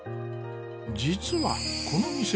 実はこの店